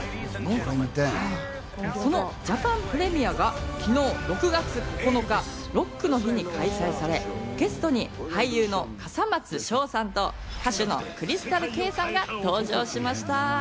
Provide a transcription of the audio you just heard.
そのジャパンプレミアが昨日６月９日、ロックの日に開催され、ゲストに俳優の笠松将さんと、歌手のＣｒｙｓｔａｌＫａｙさんが登場しました。